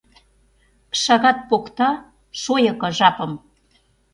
Шагат покта шойыко жапым